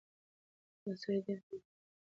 دا سړی ډېرې خبرې کوي.